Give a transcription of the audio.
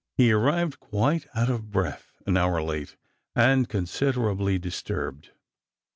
He arrived quite out of breath, an hour late, and considerably disturbed.